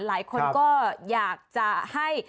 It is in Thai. หลายคนก็อยากจะให้